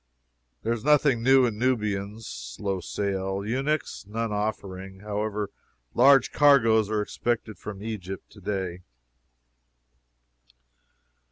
"There is nothing new in Nubians. Slow sale. "Eunuchs None offering; however, large cargoes are expected from Egypt today."